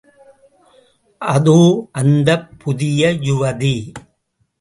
அதோ... அந்தப் புதிய யுவதி!...